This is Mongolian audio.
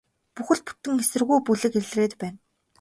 Бүхэл бүтэн эсэргүү бүлэг илрээд байна.